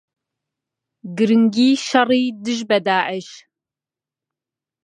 گرنگی شەڕی دژ بە داعش